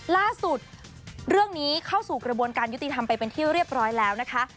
ล่าสุดเรื่องนี้เข้าสู่กระบวนการยุติธรรมไปเป็นที่เรียบร้อยแล้วนะคะ